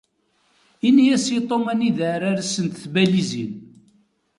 Ini-as i Tom anida ara rsent tbalizin.